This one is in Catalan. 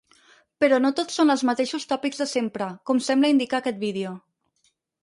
Però no tot són els mateixos tòpics de sempre, com sembla indicar aquest vídeo.